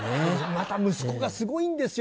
また息子がすごいんですよ